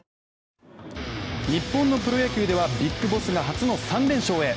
ＪＴ日本のプロ野球ではＢＩＧＢＯＳＳが初の３連勝へ。